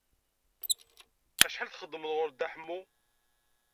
Acḥal txedmeḍ ɣur Dda Ḥemmu?